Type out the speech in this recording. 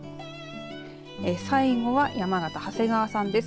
最後は山形、長谷川さんです。